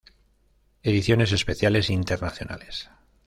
Ediciones Especiales Internacionales